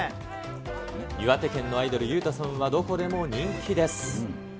岩手県のアイドル、裕太さんはどこでも人気です。